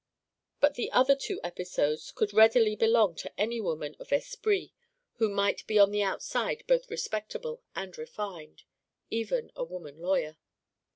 But the other two episodes could readily belong to any woman of esprit who might be on the outside both Respectable and Refined: even a woman lawyer.